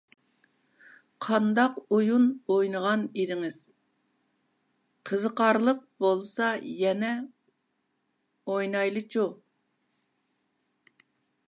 -قانداق ئويۇن ئوينىغان ئىدىڭلار؟ قىزىقارلىق بولسا يەنە ئوينايلىچۇ!